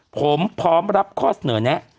ผมพร้อมรับข้อเสนอแนะ